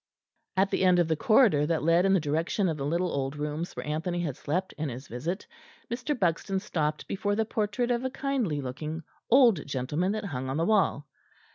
At the end of the corridor that led in the direction of the little old rooms where Anthony had slept in his visit, Mr. Buxton stopped before the portrait of a kindly looking old gentleman that hung on the wall.